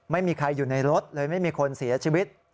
ไม่มีใครอยู่ในรถเลยไม่มีคนเสียชีวิต